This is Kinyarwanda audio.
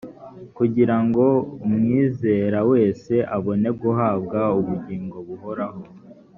kugira ngo umwizera wese abone guhabwa ubugingo buhoraho